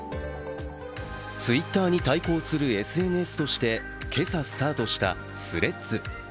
Ｔｗｉｔｔｅｒに対抗するＳＮＳとして今朝スタートした、Ｔｈｒｅａｄｓ。